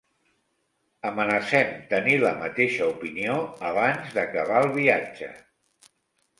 Amenacem tenir la mateixa opinió abans d'acabar el viatge.